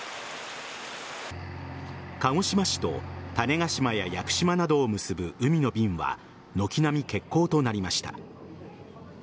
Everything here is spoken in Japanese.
鹿児島市と種子島や屋久島などを結ぶ海の便は軒並み欠航となりました。